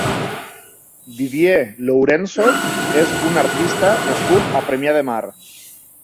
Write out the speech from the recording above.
Didier Lourenço és un artista nascut a Premià de Mar.